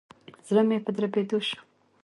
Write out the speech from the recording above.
زړه مي په دربېدو شو.